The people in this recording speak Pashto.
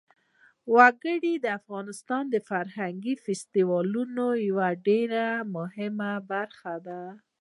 وګړي د افغانستان د فرهنګي فستیوالونو یوه ډېره مهمه برخه ده.